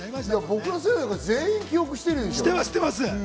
僕ら世代、全員記憶しているでしょ。